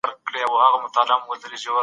د کوچني په مابينځ کي مي خپله مځکي ولیدل.